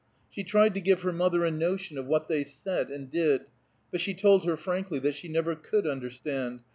She tried to give her mother a notion of what they said and did; but she told her frankly she never could understand.